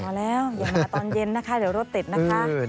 พอแล้วอย่ามาตอนเย็นนะคะเดี๋ยวรถติดนะคะ